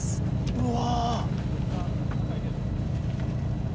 うわ。